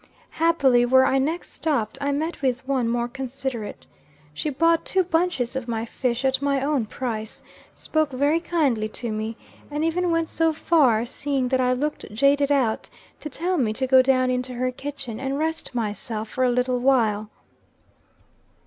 "Happily, where I next stopped, I met with one more considerate. She bought two bunches of my fish at my own price spoke very kindly, to me, and even went so far, seeing that I looked jaded out, to tell me to go down into her kitchen and rest myself for a little while.